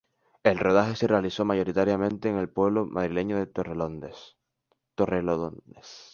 El rodaje se realizó mayoritariamente en el pueblo madrileño de Torrelodones.